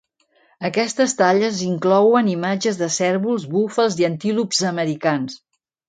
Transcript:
Aquestes talles inclouen imatges de cérvols, búfals i antílops americans.